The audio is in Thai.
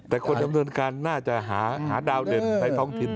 แต่คนดำเนินการน่าจะหาดาวเด่นในท้องถิ่น